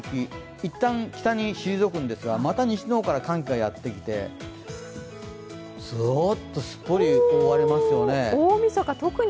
いったん北に退くんですが、また北の方から寒気がやってきてすっぽり覆われますよね。